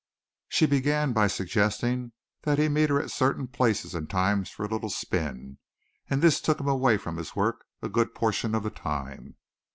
She began by suggesting that he meet her at certain places and times for a little spin and this took him away from his work a good portion of the time.